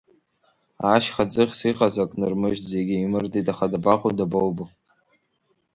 Ашьха ӡыхьс иҟаз ак нырмыжьт зегь еимырдет, аха дабаҟоу, дабоубо!